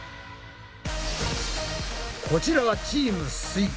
こちらはチームすイ。